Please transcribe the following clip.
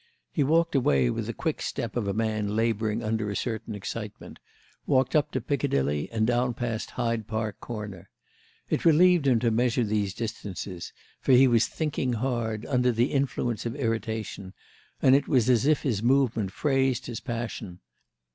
He walked away with the quick step of a man labouring under a certain excitement; walked up to Piccadilly and down past Hyde Park Corner. It relieved him to measure these distances, for he was thinking hard, under the influence of irritation, and it was as if his movement phrased his passion.